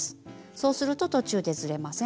そうすると途中でずれません。